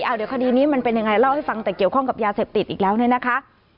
เดี๋ยวคดีนี้มันเป็นยังไงเล่าให้ฟังแต่เกี่ยวข้องกับยาเสพติดอีกแล้วเนี่ยนะคะ